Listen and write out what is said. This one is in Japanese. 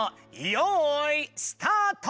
よいスタート！